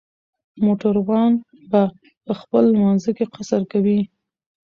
موټروان به په خپل لمانځه کې قصر کوي